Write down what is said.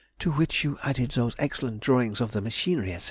(to which you added those excellent drawings of the machinery, &c.)